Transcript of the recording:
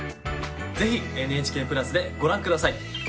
ぜひ「ＮＨＫプラス」でご覧下さい。